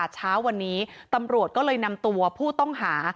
เช้าวันนี้ตำรวจก็เลยนำตัวผู้ต้องหา